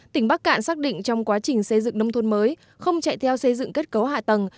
tỉnh bắc cạn xác định trong quá trình xây dựng nông thôn mới không chạy theo xây dựng kết cấu hạ tầng